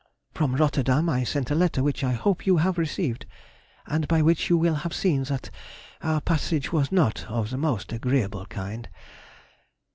From Rotterdam I sent a letter which I hope you have received, and by which you will have seen that our passage was not of the most agreeable kind.